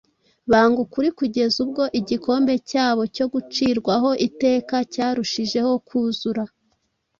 banga ukuri kugeza ubwo igikombe cyabo cyo gucirwaho iteka cyarushijeho kuzura.